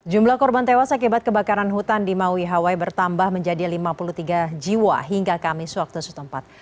jumlah korban tewas akibat kebakaran hutan di maui hawaii bertambah menjadi lima puluh tiga jiwa hingga kamis waktu setempat